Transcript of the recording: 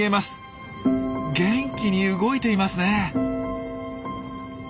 元気に動いていますね！